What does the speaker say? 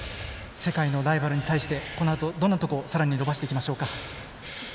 世界のライバルに対してこのあと、どんなところをさらに伸ばしていきましょうか？